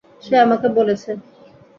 সে আমাকে বলেছে।